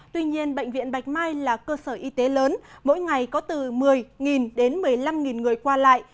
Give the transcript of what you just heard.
tuy nhiên bệnh viện bạch mai là cơ sở y tế lớn mỗi ngày có từ một mươi đến một mươi năm người qua lại